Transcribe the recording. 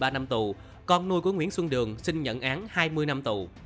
một mươi hai một mươi ba năm tù con nuôi của nguyễn xuân đường xin nhận án hai mươi năm tù